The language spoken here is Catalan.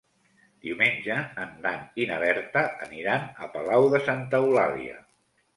Diumenge en Dan i na Berta aniran a Palau de Santa Eulàlia.